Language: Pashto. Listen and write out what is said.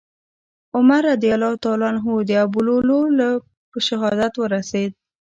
عمر رضي الله عنه د ابولؤلؤ له په شهادت ورسېد.